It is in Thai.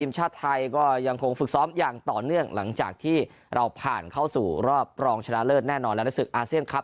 ชาติไทยก็ยังคงฝึกซ้อมอย่างต่อเนื่องหลังจากที่เราผ่านเข้าสู่รอบรองชนะเลิศแน่นอนแล้วในศึกอาเซียนครับ